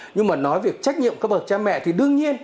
nhưng mà nói việc trách nhiệm của các bậc cha mẹ thì đương nhiên